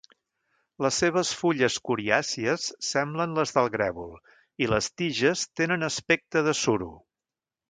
Les seves fulles coriàcies semblen les del grèvol i les tiges tenen aspecte de suro.